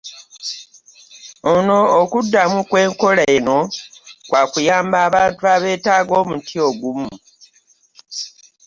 Ono okuddamu kw'enkola eno kwa kuyamba abantu abeetaaga omuti ogumu